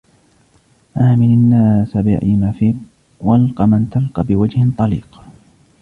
عامل الناس برأي رفيق ، والق من تلقى بوجهٍ طليق.